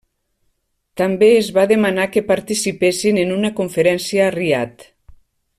També es va demanar que participessin en una conferència a Riad.